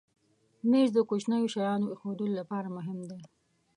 مېز د کوچنیو شیانو ایښودلو لپاره مهم دی.